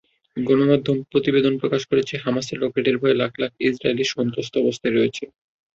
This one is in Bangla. গণমাধ্যমে প্রতিবেদন প্রকাশ হয়েছে, হামাসের রকেটের ভয়ে লাখ লাখ ইসরায়েলি সন্ত্রস্ত অবস্থায় রয়েছে।